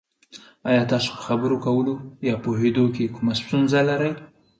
ایا تاسو په خبرو کولو یا پوهیدو کې کومه ستونزه لرئ؟